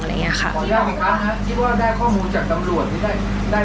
ขอลืมค่ะทิว่าได้ข้อมูลจากตำรวจที่ได้